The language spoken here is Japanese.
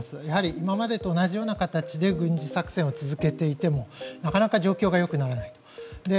やはり今までと同じような形で軍事作戦を続けていてもなかなか状況が良くならない。